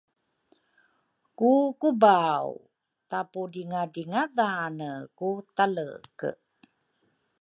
Ku kubaw tapudringadringadhane ku taleke